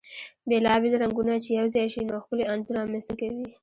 بيلا بيل رنګونه چی يو ځاي شي ، نو ښکلی انځور رامنځته کوي .